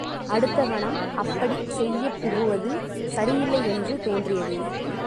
அடுத்த கணம் அப்படிச் செய்யப் புகுவது சரியில்லை என்று தோன்றியது.